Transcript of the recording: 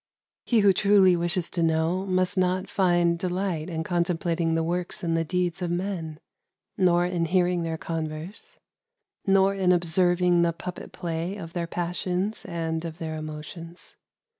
294 WITHIN THE CIRCLE " He who truly wishes to know must not find delight in contemplating the works and the deeds of men, nor in hearing their con verse, nor in observing the puppet play o£ their passions and of their emotions.